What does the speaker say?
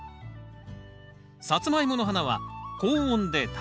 サツマイモの花は高温で短日